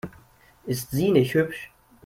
Ist sie nicht hübsch?